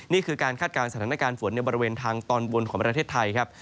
นี่คือการคาดการณ์สถานการณ์ฝนในบริเวณทางตอนบนของประเทศไทยครับ